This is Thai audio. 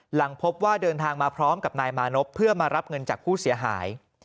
หลังพบว่าเดินทางมาพร้อมกับนายมานพเพื่อมารับเงินจากผู้เสียหาย